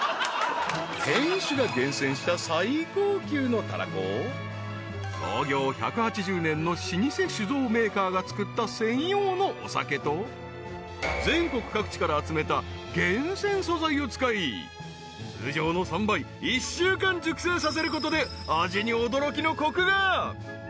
［店主が厳選した最高級のたらこを創業１８０年の老舗酒造メーカーが造った専用のお酒と全国各地から集めた厳選素材を使い通常の３倍１週間熟成させることで味に驚きのコクが］